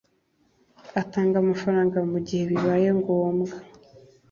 Atanga amafaranga mu gihe bibaye ngombwa